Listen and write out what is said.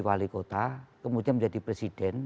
wali kota kemudian menjadi presiden